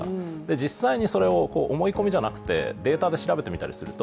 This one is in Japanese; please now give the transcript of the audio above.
実際にそれを思い込みじゃなくてデータで調べてみたりすると